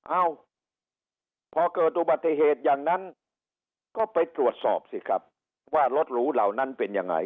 เอ้าพอเกิดอุบัติเหตุอย่างนั้นก็ไปตรวจสอบสิครับว่ารถหรูเหล่านั้นเป็นยังไง